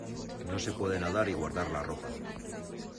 No se puede nadar y guardar la ropa.